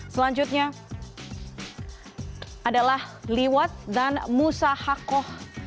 selanjutnya adalah liwat dan musahakoh